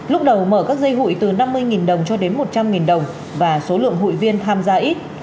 lúc đầu mở các dây hụi từ năm mươi đồng cho đến một trăm linh đồng và số lượng hụi viên tham gia ít